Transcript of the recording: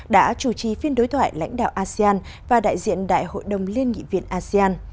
đã chủ trì phiên đối thoại lãnh đạo asean và đại diện đại hội đồng liên nghị viện asean